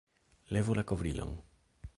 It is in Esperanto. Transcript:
Levu la kovrilon!